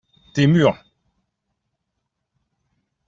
tes murs.